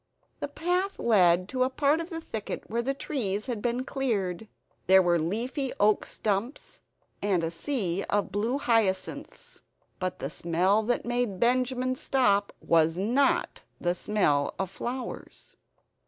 The path led to a part of the thicket where the trees had been cleared; there were leafy oak stumps, and a sea of blue hyacinths but the smell that made Benjamin stop was NOT the smell of flowers!